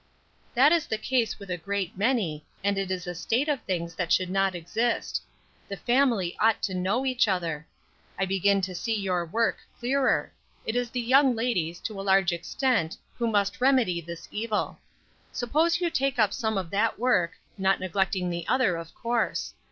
"That is the case with a great many, and it is a state of things that should not exist. The family ought to know each other. I begin to see your work clearer; it is the young ladies, to a large extent, who must remedy this evil. Suppose you take up some of that work, not neglecting the other, of course.